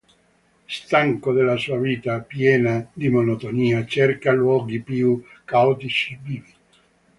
Stanco della sua vita, piena di monotonia cerca luoghi più caotici, vivi.